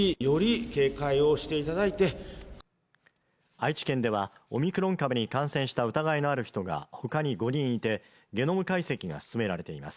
愛知県ではオミクロン株に感染した疑いのある人がほかに５人いてゲノム解析が進められています